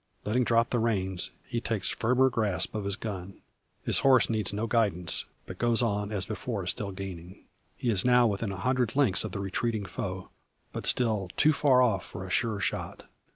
Letting drop the reins, he takes firmer grasp on his gun. His horse needs no guidance, but goes on as before, still gaining. He is now within a hundred lengths of the retreating foe, but still too far off for a sure shot.